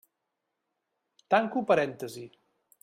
Tanco parèntesi.